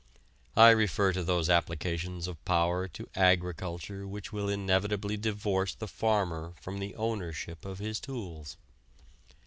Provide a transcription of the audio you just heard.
I refer to those applications of power to agriculture which will inevitably divorce the farmer from the ownership of his tools.